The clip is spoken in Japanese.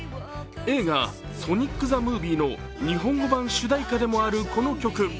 映画「ソニック・ザ・ムービー」の日本語版主題歌でもあるこの曲。